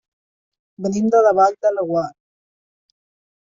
Venim de la Vall de Laguar.